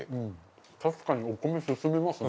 確かにお米進みますね。